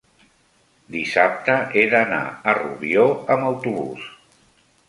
dissabte he d'anar a Rubió amb autobús.